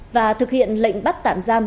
và thực hiện lệnh bắt tạm giam